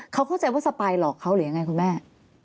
เขาเข้าใจว่าสปายหลอกเขาหรือยังไงคุณแม่